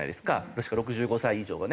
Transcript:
もしくは６５歳以上がね。